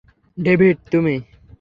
David, তুমি?